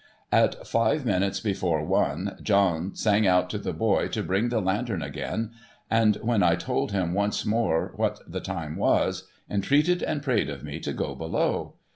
At fixe minutes before one, John sang out to the boy to bring the lantern again, and when I told him once more what the time was, entreated and prayed of me to go below.